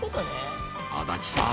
［安達さん。